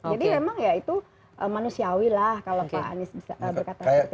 jadi memang ya itu manusiawi lah kalau pak anies bisa berkata seperti itu